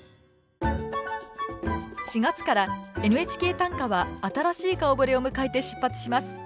４月から「ＮＨＫ短歌」は新しい顔ぶれを迎えて出発します。